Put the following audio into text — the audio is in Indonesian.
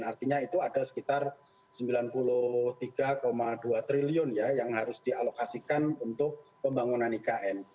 artinya itu ada sekitar rp sembilan puluh tiga dua triliun ya yang harus dialokasikan untuk pembangunan ikn